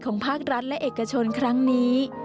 ภาครัฐและเอกชนครั้งนี้